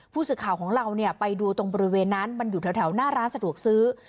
ผู้สื่อข่าวของเราไปดูตรงบริเวณนั้นมันอยู่แถวหน้าร้านสะดวกซื้อ